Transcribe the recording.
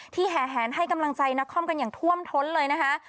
แห่แหนให้กำลังใจนักคอมกันอย่างท่วมท้นเลยนะคะ